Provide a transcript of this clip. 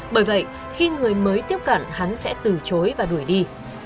bởi vậy khi người mới tiếp cận hắn sẽ từ chối và đuổi đi